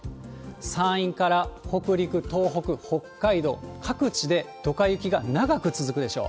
山陰から北陸、東北、北海道、各地でドカ雪が長く続くでしょう。